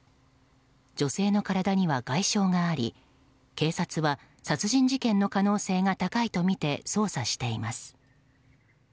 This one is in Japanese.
女性の体には外傷があり警察は殺人事件の可能性が高いとみて捜査しています。